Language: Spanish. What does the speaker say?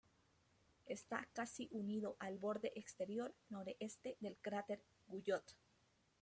Está casi unido al borde exterior noreste del cráter Guyot.